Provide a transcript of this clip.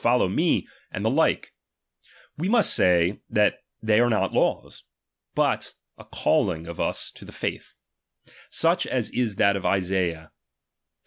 Follow me ; and iiieiit' the like ?. We must say that they are not laws, S.i but a calling of us to the faith : such as is that of ^™ Isaiah (Iv.